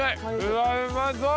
うわっうまそう！